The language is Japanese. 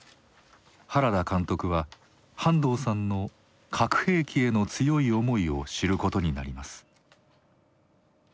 原田監督は半藤さんの「核兵器」への強い思いを知ることになります。